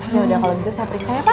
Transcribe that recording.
yaudah kalau gitu saya periksa ya pak